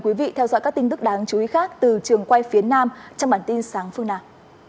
quý vị theo dõi các tin tức đáng chú ý khác từ trường quay phía nam trong bản tin sáng phương nam